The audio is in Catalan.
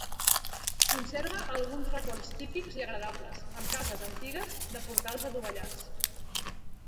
Conserva alguns racons típics i agradables, amb cases antigues de portals adovellats.